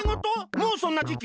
もうそんなじき？